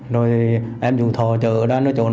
rồi em dù thọ chờ ở đó nơi chỗ đó